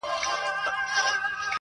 کورنۍ د ژوند لومړنۍ مدرسه ده.